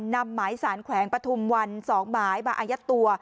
นำหมายสารแขวงปฐุมวัน๒หมายมาอายัดตัว